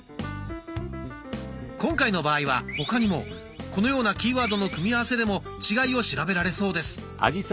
今回の場合は他にもこのようなキーワードの組み合わせでも違いを調べられそうです。